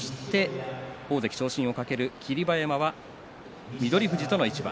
大関昇進を懸ける霧馬山は翠富士との一番。